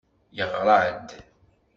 Yeɣra-d.